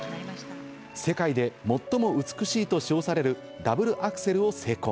世界で最も美しいと称されるダブルアクセルを成功。